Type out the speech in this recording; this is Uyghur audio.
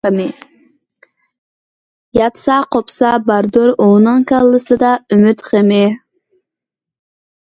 ياتسا قوپسا باردۇر ئۇنىڭ، كاللىسىدا ئۈممەت غېمى.